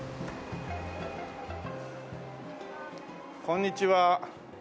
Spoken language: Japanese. こんにちは。